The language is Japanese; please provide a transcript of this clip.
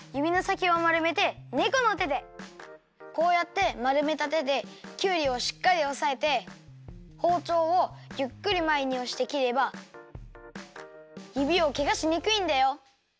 こうやってまるめた手できゅうりをしっかりおさえてほうちょうをゆっくりまえにおして切ればゆびをけがしにくいんだよ。